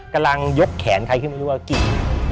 กำลังยกแขนใครขึ้นไม่รู้ว่ากิน